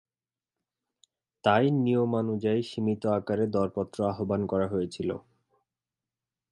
তাই নিয়মানুযায়ী সীমিত আকারে দরপত্র আহ্বান করা হয়েছিল।